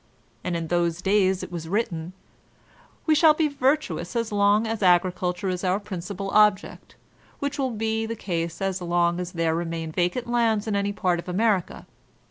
And in tJhose days it was written : "We shall by virtuous as long as agriculture is our principal object, whidi will be the case as long as there remain vacant lands in any part of America.